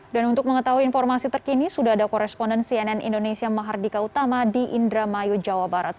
dan untuk mengetahui informasi terkini sudah ada koresponden cnn indonesia mahardika utama di indramayu jawa barat